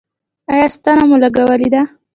ایا ستنه مو لګولې ده؟